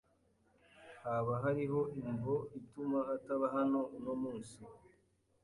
Hoba hariho imvo ituma ataba hano uno munsi?